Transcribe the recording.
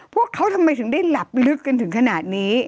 พวกเขาทำไมถึงได้หลับลึกกันถึงขนาดนี้